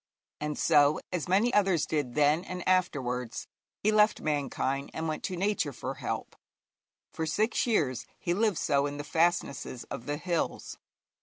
And so, as many others did then and afterwards, he left mankind and went to Nature for help. For six years he lived so in the fastnesses of the hills.